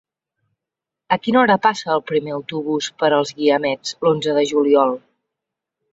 A quina hora passa el primer autobús per els Guiamets l'onze de juliol?